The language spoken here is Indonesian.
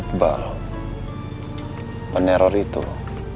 nut football berasal dari najin